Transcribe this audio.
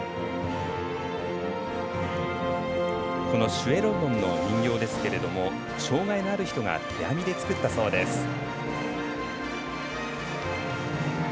このシュエ・ロンロンの人形ですけれども障がいのある人が手編みで作ったそうです。